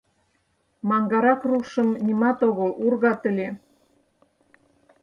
Маҥгарак рушым нимат огыл «ургат» ыле.